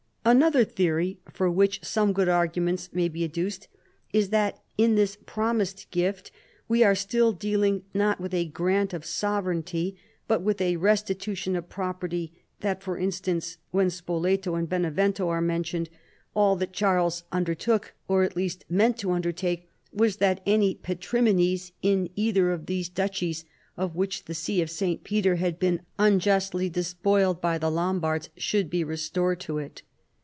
Another theory for which some good arguments may be adduced, is that in this promised gift we are still dealing not with a grant of sovereignty but with a restitution of property ; that for instance when Spoleto and Benevento are nuMitioniMl, all that , g2 CHARLEMAGNE. Charles undertook, or at least meant to undertake, was that any " patrimonies " in either of those duchies of which the see of St. Peter had been un justly despoiled by the Lombards should be restored to it.